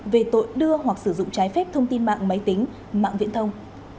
về tội đưa hoặc sử dụng trái phép thông tin mạng máy tính mạng viễn thông